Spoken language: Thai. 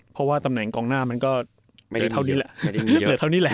เพราะว่าตำแหน่งกองหน้ามันก็เหลือเท่านี้แหละ